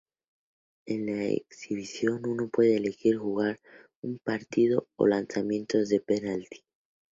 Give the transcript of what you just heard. En la exhibición, uno puede elegir jugar un partido o lanzamientos de penalty.